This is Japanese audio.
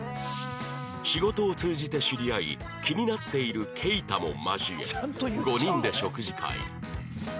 仕事を通じて知り合い気になっているケイタも交え５人で食事会